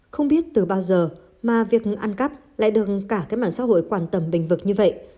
không biết từ bao giờ mà việc ăn cắp lại được cả cái mạng xã hội quan tâm bình vực như vậy